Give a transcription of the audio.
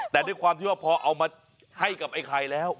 แต่ด้วยความที่ว่าพอเอามาให้กับไอ้ไข่แล้ว